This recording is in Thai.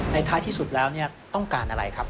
ท้ายที่สุดแล้วต้องการอะไรครับ